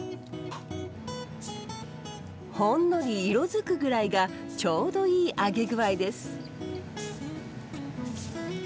ほんのり色づくぐらいがちょうどいい揚げ具合です。